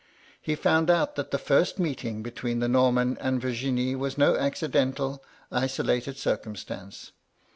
He found out that the first meet ing between the Norman and Virginie was no acci dental, isolated circumstance.